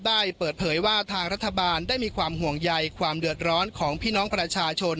ได้เปิดเผยว่าทางรัฐบาลได้มีความห่วงใยความเดือดร้อนของพี่น้องประชาชน